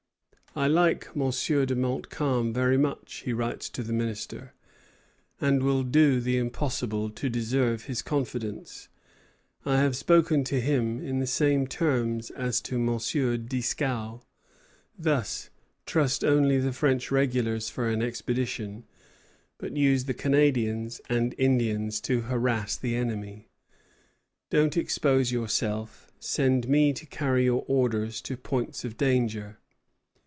"I like M. de Montcalm very much," he writes to the minister, "and will do the impossible to deserve his confidence. I have spoken to him in the same terms as to M. Dieskau; thus: 'Trust only the French regulars for an expedition, but use the Canadians and Indians to harass the enemy. Don't expose yourself; send me to carry your orders to points of danger.'